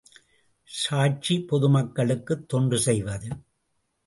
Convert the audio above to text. சாட்சி பொதுமக்களுக்குத் தொண்டு செய்வது.